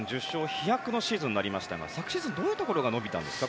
飛躍のシーズンになりましたが昨シーズン、どういうところが伸びたんですか？